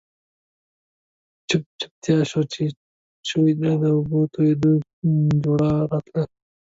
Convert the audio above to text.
چوپه چوپتيا شوه، جووې ته د اوبو د تويېدو جورړا راتله.